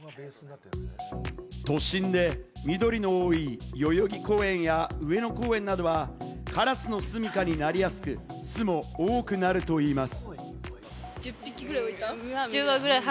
都心で緑の多い代々木公園や上野公園などは、カラスの住処になりやすく、巣も多くなるといいます。